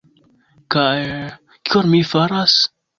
Kaj... kion mi faras?